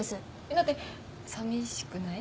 だって寂しくない？